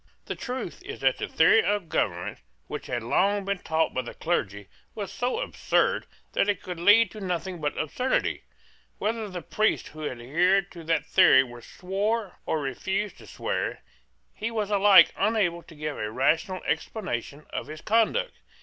The truth is that the theory of government which had long been taught by the clergy was so absurd that it could lead to nothing but absurdity. Whether the priest who adhered to that theory swore or refused to swear, he was alike unable to give a rational explanation of his conduct.